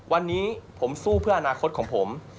วันนี้ผมสู้เพื่ออนาคตของผม